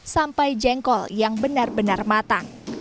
sampai jengkol yang benar benar matang